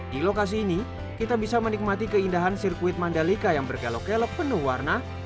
di lokasi ini kita bisa menikmati keindahan sirkuit mandalika yang berkelok kelok penuh warna